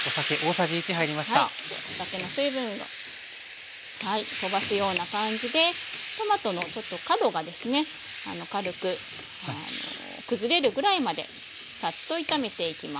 お酒の水分を飛ばすような感じでトマトのちょっと角がですね軽く崩れるぐらいまでサッと炒めていきます。